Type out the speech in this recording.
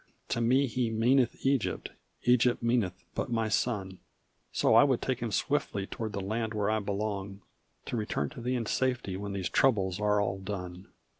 To me he meaneth Egypt Egypt meaneth but my son So I would take him swiftly toward the land where I belong To return to thee in safety when these troubles all are done."